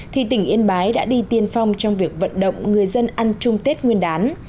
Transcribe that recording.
thì tỉnh yên bái đã đi tiên phong trong việc vận động người dân ăn chung tết nguyên đán